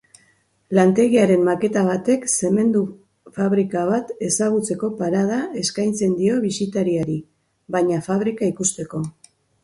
Lantegiaren maketa batek zementu fabrika bat ezagutzeko parada eskaintzen dio bisitariari, baina fabrika ikusteko.